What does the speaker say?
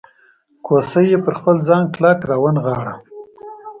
کوسۍ یې پر خپل ځان کلکه راونغاړله.